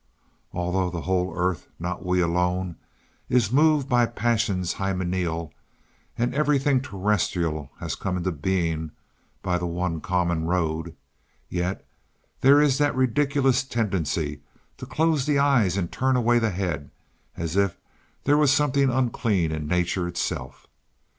Although the whole earth, not we alone, is moved by passions hymeneal, and everything terrestrial has come into being by the one common road, yet there is that ridiculous tendency to close the eyes and turn away the head as if there were something unclean in nature itself.